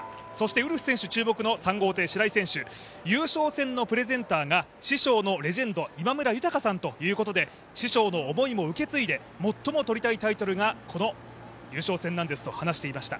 ウルフ選手注目の３号艇、白井選手優勝戦のプレゼンターが師匠のレジェンド、今村さんということで、師匠の思いも受け継いで最も取りたいタイトルが、この優勝戦なんですと話していました。